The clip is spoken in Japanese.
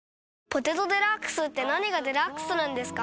「ポテトデラックス」って何がデラックスなんですか？